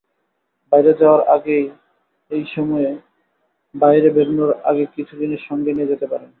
বাইরে যাওয়ার আগেএই সময়ে বাইরে বেরুনোর আগে কিছু জিনিস সঙ্গে নিয়ে যেতে পারেন।